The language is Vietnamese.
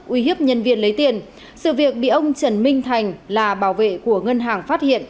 uy hiếp nhân viên lấy tiền sự việc bị ông trần minh thành là bảo vệ của ngân hàng phát hiện